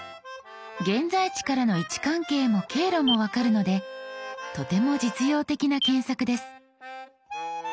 現在地からの位置関係も経路も分かるのでとても実用的な検索です。